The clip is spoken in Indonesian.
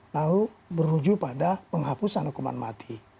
lalu berujung pada penghapusan hukuman mati